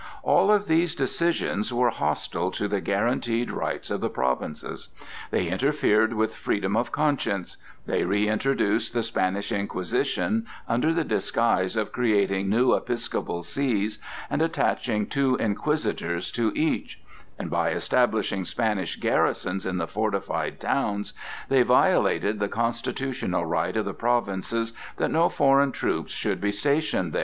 All of these decisions were hostile to the guaranteed rights of the Provinces; they interfered with freedom of conscience; they reintroduced the Spanish Inquisition under the disguise of creating new episcopal sees and attaching two inquisitors to each; and by establishing Spanish garrisons in the fortified towns they violated the constitutional right of the provinces that no foreign troops should be stationed there.